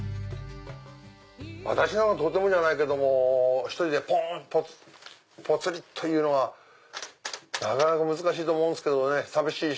私なんかとてもじゃないけども１人でぽつりというのはなかなか難しいと思うんすけどね寂しいし。